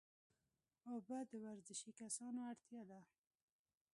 اوبه د ورزشي کسانو اړتیا ده